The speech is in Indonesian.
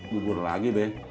bubur lagi be